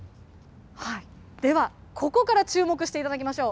ではここから注目していただきましょう。